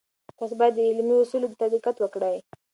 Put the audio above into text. تاسې باید د علمي اصولو ته دقت وکړئ.